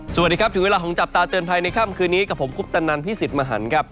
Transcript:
สวัสดีครับถึงเวลาของจับตาเตือนภัยในค่ำคืนนี้กับผมคุปตนันพี่สิทธิ์มหันครับ